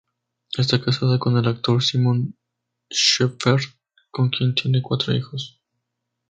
Está casada con el actor Simon Shepherd con quien tiene cuatro hijos.